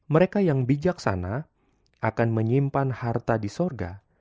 mereka yang bijaksana akan menyimpan harta di sorga